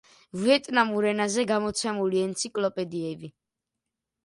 ვიეტნამურ ენაზე გამოცემული ენციკლოპედიები.